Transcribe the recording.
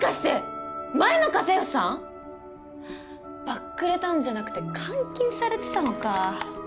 バックレたんじゃなくて監禁されてたのか。